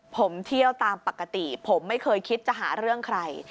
ผมเที่ยวตามปกติผมไม่เคยคิดจะหาเรื่องใคร